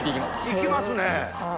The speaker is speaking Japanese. いきますね。